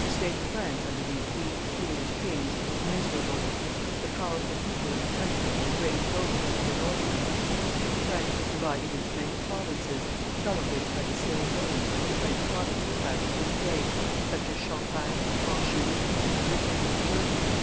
The state of France under these weak, foolish kings was miserable. The powerful people in the country were the great nobles and the Northmen. France was divided into many provinces, some of which had the same names that the French provinces have to this day, such as Cham E 60 THE LAST CARLOVINGIAN KINGS. [CH. pagne, Anjou, Brittany, Burgundy.